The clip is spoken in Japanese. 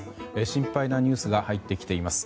心配なニュースが入ってきています。